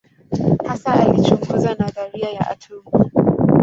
Hasa alichunguza nadharia ya atomu.